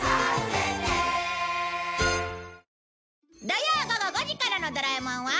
土曜午後５時からの『ドラえもん』は